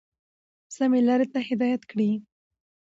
سمي لاري ته هدايت كړي،